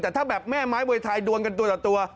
แต่ถ้าแบบแม่ไม้เบยไทยดวนกันตัว